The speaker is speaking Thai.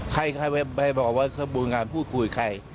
ใครไปบอกว่ากระบุงงานพูดคุยใคร